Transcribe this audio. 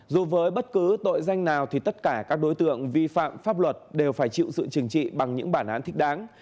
dù với bất cứ tội danh nào thì tất cả các đối tượng vi phạm pháp luật đều phải chịu sự trừng trị bằng những bản án thích đáng